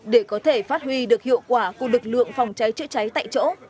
để có thể phát huy được hiệu quả của lực lượng phòng cháy chữa cháy tại chỗ